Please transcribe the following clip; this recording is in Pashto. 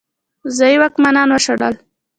ځايي واکمنان وشړل.